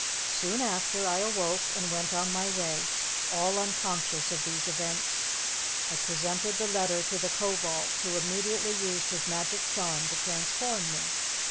Soon after, I awoke and went on my way, all unconscious of these events. I presented the letter to the Kobold, who immediately used his magic charm to transform me.